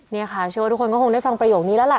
นี่ค่ะเชื่อว่าทุกคนก็คงได้ฟังประโยคนี้แล้วล่ะ